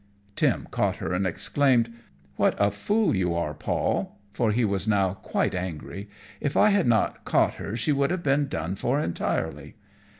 Tim caught her, and exclaimed, "What a fool you are, Paul!" for he was now quite angry; "if I had not caught her she would have been done for entirely."